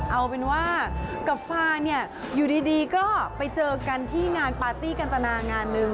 เอาเป็นว่ากับฟาเนี่ยอยู่ดีก็ไปเจอกันที่งานปาร์ตี้กันตนางานหนึ่ง